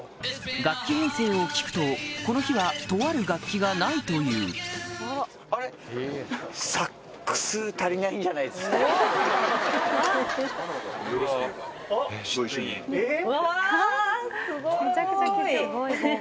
楽器編成を聞くとこの日はとある楽器がないというえっ！